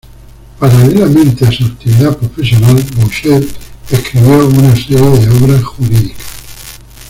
Paralelamente a su actividad profesional, Boucher escribió una serie de obras jurídicas.